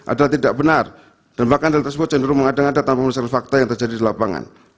adalah tidak benar dan bahkan dalil tersebut jenurung mengadang adat tanpa berdasarkan fakta yang terjadi di lapangan